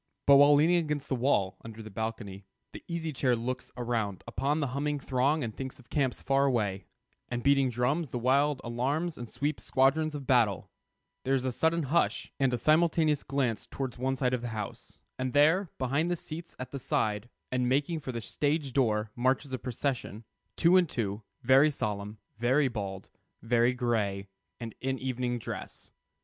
But while leaning against the wall, under the balcony, the Easy Chair looks around upon the humming throng and thinks of camps far away, and beating drums and wild alarms and sweeping squadrons of battle, there is a sudden hush and a simultaneous glance towards one side of the house, and there, behind the seats at the side, and making for the stage door, marches a procession, two and two, very solemn, very bald, very gray, and in evening dress.